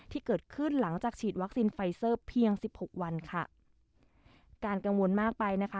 ที่เกิดขึ้นหลังจากฉีดวัคซีนไฟเซอร์เพียงสิบหกวันค่ะการกังวลมากไปนะคะ